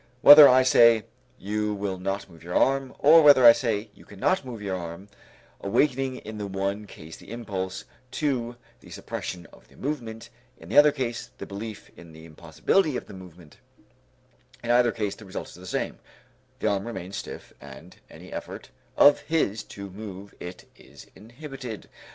Whether I say, "You will not move your arm," or whether I say, "You cannot move your arm," awakening in the one case the impulse to the suppression of the movement, in the other case the belief in the impossibility of the movement, in either case the result is the same; the arm remains stiff and any effort of his to move it is inhibited.